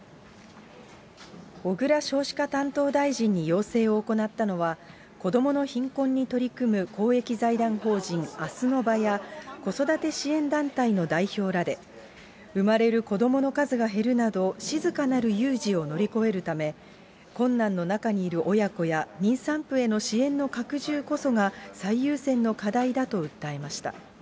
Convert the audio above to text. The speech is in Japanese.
小倉少子化担当大臣に要請を行ったのは、子どもの貧困に取り組む公益財団法人あすのばや、子育て支援団体の代表らで、生まれる子どもの数が減るなど、静かなる有事を乗り越えるため、困難の中にいる親子や、妊産婦への支援の拡充こそが最優先の課題だと訴えました。